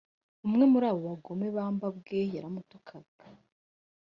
umwe muri abo bagome babambwe yaramutuka